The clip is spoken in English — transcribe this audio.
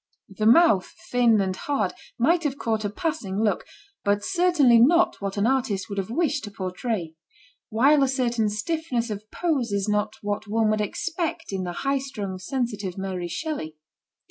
The mouth, thin and hard 140 MRS. SHELLEY. might have caught a passing look, but certainly not what an artist would have wished to portray ; while a certain stiffness of pose is not what one would expect in the high strung, sensitive Mary Shelley.